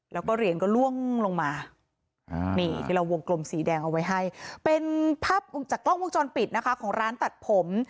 แล้วก็เหรียญก็ล่วงลงมานี่ที่เราวงกลมสีแดงเอาไว้ให้เป็นภาพจากกล้องวงจรปิดนะคะของร้านตัดผม